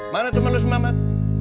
mana temen lu semua mat